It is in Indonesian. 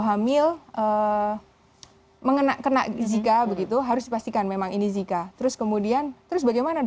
hamil mengena kena zika begitu harus dipastikan memang ini zika terus kemudian terus bagaimana